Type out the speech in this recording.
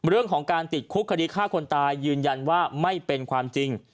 เรื่องของการติดคุกคดีฆ่าคนตายยืนยันว่าไม่เป็นความจริง